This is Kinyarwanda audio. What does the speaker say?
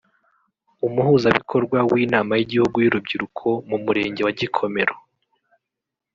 Umuhuzabikorwa w’Inama y’Igihugu y’Urubyiruko mu murenge wa Gikomero